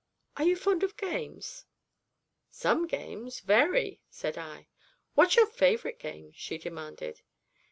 Are you fond of games?' 'Some games very,' said I. 'What's your favourite game?' she demanded.